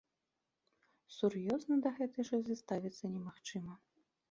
Сур'ёзна да гэтай шызы ставіцца немагчыма.